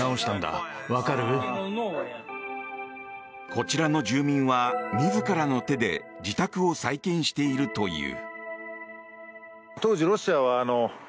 こちらの住民は、自らの手で自宅を再建しているという。